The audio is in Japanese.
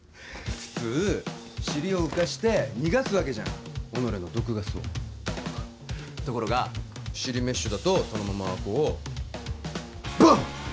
普通尻を浮かして逃がすわけじゃん己の毒ガスをところが尻メッシュだとそのままこうバンッ！